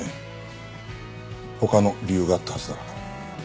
他の理由があったはずだ。